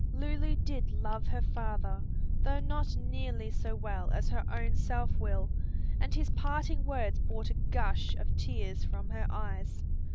Lulu did love her father though not nearly so well as her own self will and his parting words brought a gush of tears from her eyes.